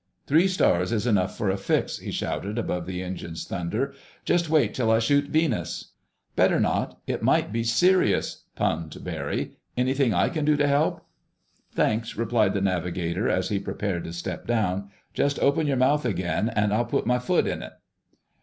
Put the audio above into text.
"Three stars is enough for a fix," he shouted above the engines' thunder. "Just wait till I shoot Venus." "Better not—it might really be Sirius!" punned Barry. "Anything I can do to help?" "Thanks," replied the navigator, as he prepared to step down, "Just open your mouth again and I'll put my foot in it."